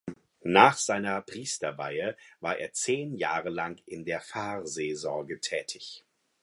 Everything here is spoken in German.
Nach seiner Priesterweihe war er zehn Jahre lang in der Pfarrseelsorge tätig.